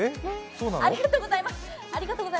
ありがとうございます。